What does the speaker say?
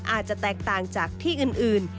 อาจจะแตกต่างจากที่อื่น